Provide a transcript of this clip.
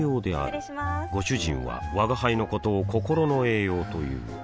失礼しまーすご主人は吾輩のことを心の栄養という